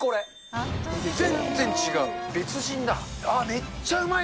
めっちゃうまい。